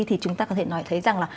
thì chúng ta có thể nói thấy rằng là